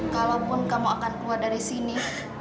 kalaupun kamu akan keluar dari sini